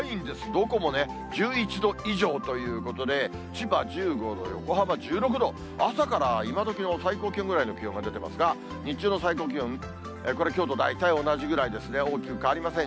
どこも１１度以上ということで、千葉１５度、横浜１６度、朝から今どきの最高気温ぐらいの気温が出てますが、日中の最高気温、これきょうと大体同じくらいですね、大きく変わりません。